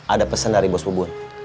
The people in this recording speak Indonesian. ada pesan dari bos ubun